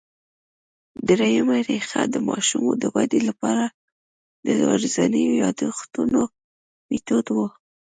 درېیمه ریښه د ماشوم د ودې له پاره د ورځينو یادښتونو مېتود وو